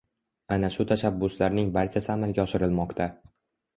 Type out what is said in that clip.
Ana shu tashabbuslarning barchasi amalga oshirilmoqda